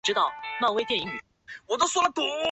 梁洛施至今未婚。